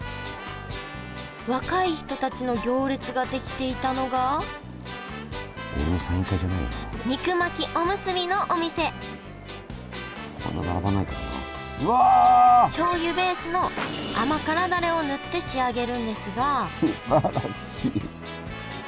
若い人たちの行列ができていたのが肉巻きおむすびのお店しょうゆベースの甘辛ダレを塗って仕上げるんですがすばらしい。